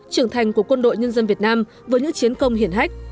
trưởng thành của quân đội nhân dân việt nam với những chiến công hiển hách